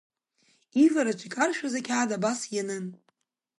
Ивараҿы икаршәыз ақьаад абас ианын…